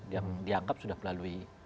yang dianggap sudah melalui